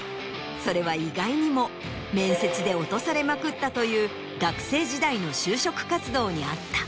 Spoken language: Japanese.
それは意外にも面接で落とされまくったという学生時代の就職活動にあった。